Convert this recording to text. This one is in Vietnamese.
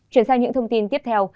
chuyển sang những thông tin tiếp theo